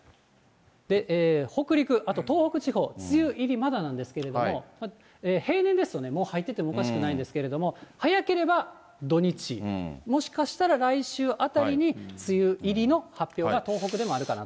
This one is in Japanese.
北陸、あと東北地方、梅雨入りまだなんですけれども、平年ですと、もう入っててもおかしくないんですけど、早ければ土日、もしかしたら来週あたりに、梅雨入りの発表が東北でもあるかなと。